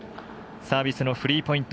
サービスのフリーポイント